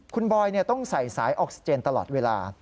คุณบอยต้องใส่สายออกซิเจนตลอดเวลา